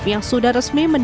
yang sudah resmi mendirikan